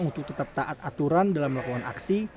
untuk tetap taat aturan dalam melakukan aksi